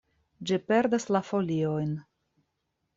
Ĝi perdas la foliojn.